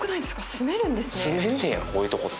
住めんねやこういうとこって。